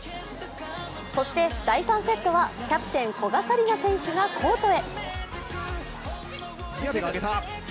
そして第３セットはキャプテン・古賀紗理那選手がコートへ。